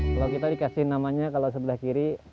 kalau kita dikasih namanya kalau sebelah kiri